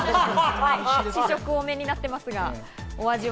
試食が多めになってますが、お味は？